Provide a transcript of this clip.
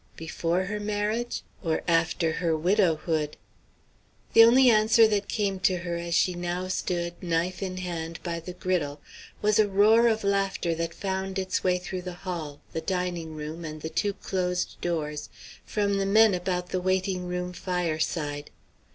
Before her marriage, or after her widowhood? The only answer that came to her as she now stood, knife in hand, by the griddle, was a roar of laughter that found its way through the hall, the dining room, and two closed doors, from the men about the waiting room fireside.